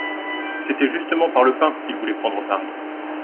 C'était justement par le pain qu'il voulait prendre Paris.